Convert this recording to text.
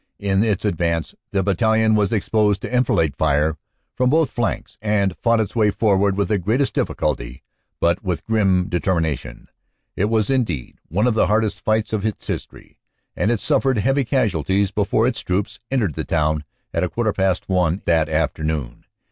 In its advance the battalion was exposed to enfilade fire from both flanks and fought its way forward with the greatest difficulty but with grim determination. It was indeed one of the hardest fights of its history, and it suffered heavy casualties before its troops entered the town at a quarter past one that afternoon.